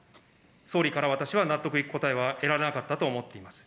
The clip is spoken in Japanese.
総理から私は納得いく答えは得られなかったと思っています。